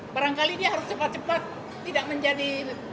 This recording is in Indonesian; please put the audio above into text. barangkali dia harus cepat cepat tidak menjadi